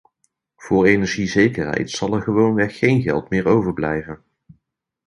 Voor energiezekerheid zal er gewoonweg geen geld meer overblijven.